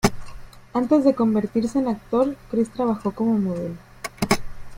Antes de convertirse en actor Chris trabajó como modelo.